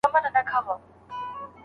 موږ له روسیې سره سوداګري نه کوو.